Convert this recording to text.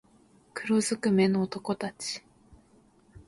黒づくめの男たち